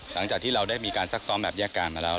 หลังจากที่เราได้มีการซักซ้อมแบบแยกการมาแล้ว